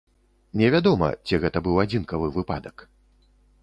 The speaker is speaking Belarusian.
Невядома, ці гэта быў адзінкавы выпадак.